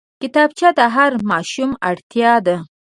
کتابچه د هر ماشوم اړتيا ده